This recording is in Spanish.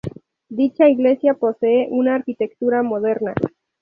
Dicha iglesia posee una arquitectura moderna.